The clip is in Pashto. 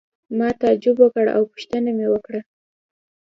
ما تعجب وکړ او پوښتنه مې وکړه.